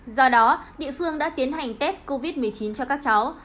do đó địa phương đã tiến hành test covid một mươi chín cho các cháu